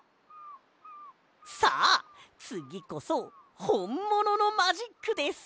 さあつぎこそほんもののマジックです！